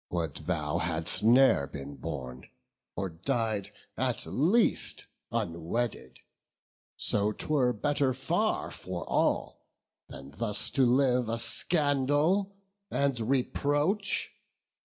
Would thou hadst ne'er been born, or died at least Unwedded; so 'twere better far for all, Than thus to live a scandal and reproach.